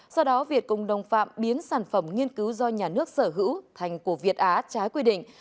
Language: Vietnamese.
sau đó việt cùng đồng phạm biến sản phẩm nghiên cứu do nhà nước sở hữu thành của việt á trái quy định